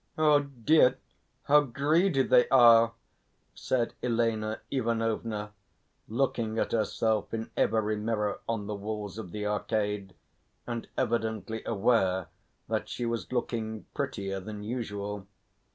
"Oh, dear, how greedy they are!" said Elena Ivanovna, looking at herself in every mirror on the walls of the Arcade, and evidently aware that she was looking prettier than usual.